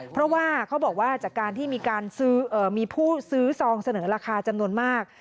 เพราะว่าเขาบอกว่าจากการที่มีการซื้อมีผู้ซื้อซองเสนอราคาจำนวนมาก